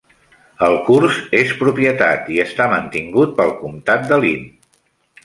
El curs és propietat i està mantingut pel comtat de Linn.